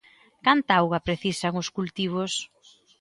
Canta auga precisan os cultivos?